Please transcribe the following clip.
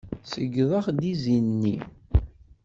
Ṣeyydeɣ-d izi-nni.